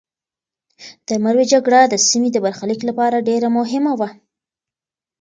د مروې جګړه د سیمې د برخلیک لپاره ډېره مهمه وه.